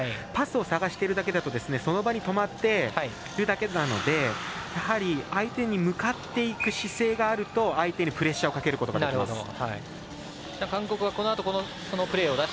パスを探しているだけだとその場に止まっているだけなのでやはり相手に向かっていく姿勢があると相手にプレッシャーをかけることができます。